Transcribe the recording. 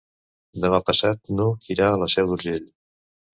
Demà passat n'Hug irà a la Seu d'Urgell.